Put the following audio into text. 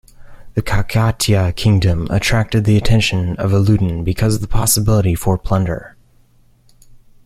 The Kakatiya kingdom attracted the attention of Alauddin because of the possibility for plunder.